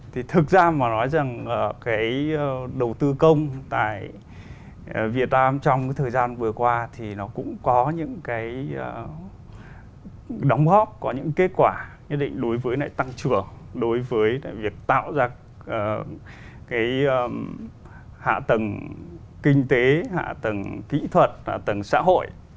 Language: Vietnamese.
thì thực ra mà nói rằng cái đầu tư công tại việt nam trong thời gian vừa qua thì nó cũng có những cái đóng góp có những kết quả nhất định đối với tăng trưởng đối với việc tạo ra cái hạ tầng kinh tế hạ tầng kỹ thuật hạ tầng xã hội